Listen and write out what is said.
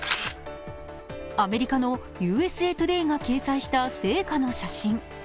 アメリカの「ＵＳＡＴＯＤＡＹ」が掲載した聖火の写真。